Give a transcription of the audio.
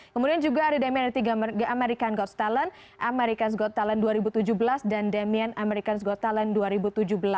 kemudian juga ada damien aditya american god's talent american god's talent dua ribu tujuh belas dan damien american god's talent dua ribu tujuh belas